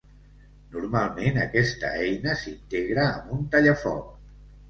Normalment aquesta eina s'integra amb un tallafoc.